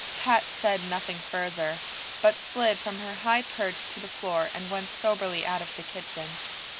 Pat said nothing further, but slid from her high perch to the floor and went soberly out of the kitchen.